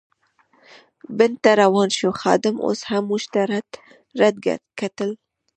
بڼ ته روان شوو، خادم اوس هم موږ ته رډ رډ کتل.